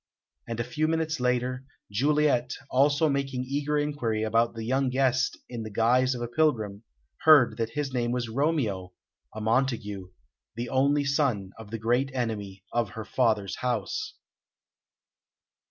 And a few minutes later, Juliet, also making eager inquiry about the young guest in the guise of a pilgrim, heard that his name was Romeo, a Montague, the only son of the great enemy of her father's house.